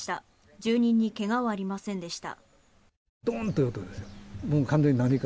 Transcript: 住人に怪我はありませんでした。